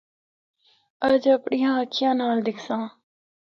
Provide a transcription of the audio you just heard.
اجّ اپنڑیا اکھّیاں نال دِکھساں۔